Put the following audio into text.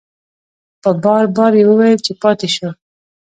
په بار بار یې وویل چې پاتې شو.